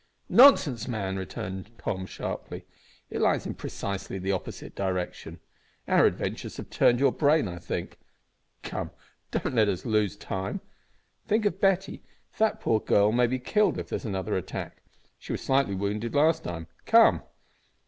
"Nonsense, man!" returned Tom, sharply, "it lies in precisely the opposite direction. Our adventures have turned your brain, I think. Come, don't let us lose time. Think of Betty; that poor girl may be killed if there is another attack. She was slightly wounded last time. Come!"